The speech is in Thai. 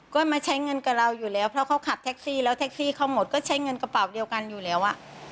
ก็มาใช้เงินกับเราอยู่แล้วเพราะเขาขับแท็กซี่แล้วแท็กซี่เขาหมดก็ใช้เงินกระเป๋าเดียวกันอยู่แล้ว